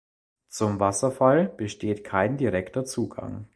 Zum Wasserfall besteht kein direkter Zugang.